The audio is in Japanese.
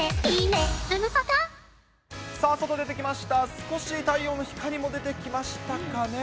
少し太陽の光も出てきましたかね。